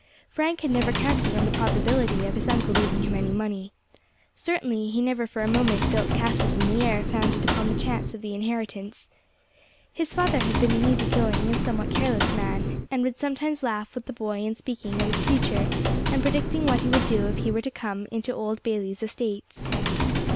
Frank had never counted on the probability of his uncle leaving him any money. Certainly he never for a moment built castles in the air founded upon the chance of the inheritance. His father had been an easy going and somewhat careless man, and would sometimes laugh with the boy in speaking of his future and predicting what he would do if he were come into old Bayley's estates.